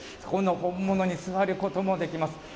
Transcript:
この本物に座ることもできます。